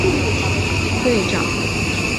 他也是澳大利亚板球国家队现在的队长。